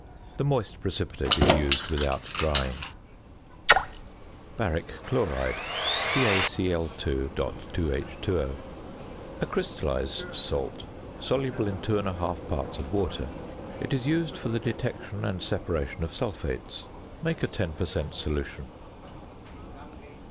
The moist precipitate is used without drying. ~Baric Chloride~, BaCl_.2H_O. A crystallised salt, soluble in 2 1/2 parts of water. It is used for the detection and separation of sulphates. Make a 10 per cent. solution.